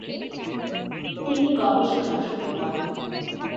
তিনি গবেষণা শুরু করেন।